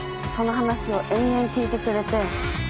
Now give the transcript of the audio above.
その話を延々聞いてくれて。